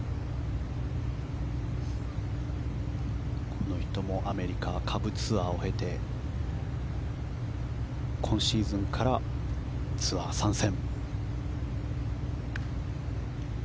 この人もアメリカ下部ツアーを経て今シーズンからツアー参戦。